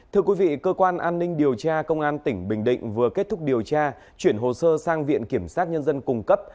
thưa quý vị cơ quan an ninh điều tra công an tỉnh bình định vừa kết thúc điều tra chuyển hồ sơ sang viện kiểm sát nhân dân cung cấp